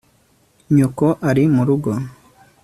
nyoko ari murugo